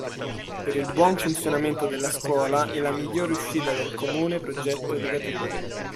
Per il buon funzionamento della scuola e la miglior riuscita del comune progetto educativo